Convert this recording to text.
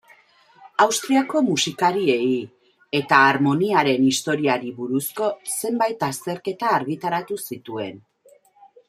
Austriako musikariei eta harmoniaren historiari buruzko zenbait azterketa argitaratu zituen.